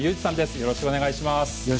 よろしくお願いします。